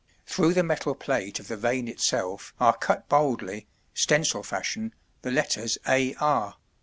Through the metal plate of the vane itself are cut boldly, stencil fashion, the letters "A. R."